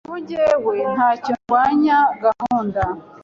Naho njyewe, ntacyo ndwanya gahunda.